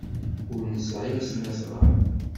Ur nesɛi asnasɣal.